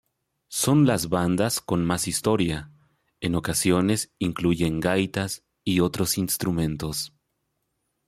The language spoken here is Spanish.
Son las bandas con más historia, en ocasiones incluyen gaitas y otros instrumentos.